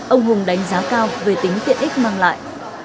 ông hùng đánh giá cao về tính tiện ích mang lại